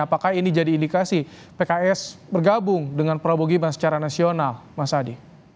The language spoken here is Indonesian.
apakah ini jadi indikasi pks bergabung dengan prabowo gibran secara nasional mas adi